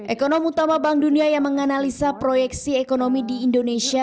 ekonom utama bank dunia yang menganalisa proyeksi ekonomi di indonesia